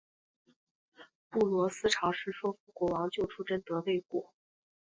布罗斯尝试说服国王救出贞德未果。